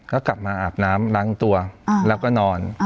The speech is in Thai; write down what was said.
ก็กลับมาอาบน้ำล้างตัวแล้วก็นอน